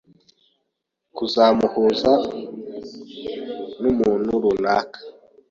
kuzamuhuza n’umuntu runaka